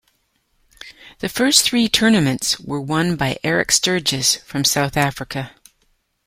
The first three tournaments were won by Eric Sturgess from South Africa.